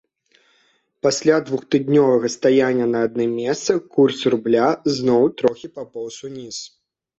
Пасля двухтыднёвага стаяння на адным месцы курс рубля зноў трохі папоўз уніз.